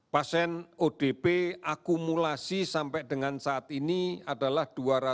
pasien odp akumulasi sampai dengan saat ini adalah dua ratus tiga puluh delapan satu ratus tujuh puluh delapan